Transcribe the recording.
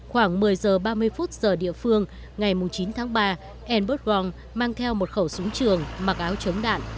khoảng một mươi giờ ba mươi phút giờ địa phương ngày chín tháng ba enbert rong mang theo một khẩu súng trường mặc áo chống đạn